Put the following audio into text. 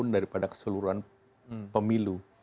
daripada keseluruhan pemilu